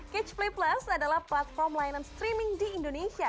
catch play plus adalah platform layanan streaming di indonesia